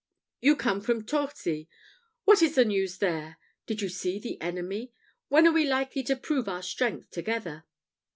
You come from Torcy. What is the news there? Did you see the enemy? When are we likely to prove our strength together?"